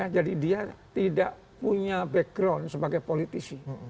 jadi dia tidak punya background sebagai politisi